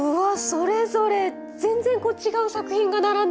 それぞれ全然違う作品が並んでますね。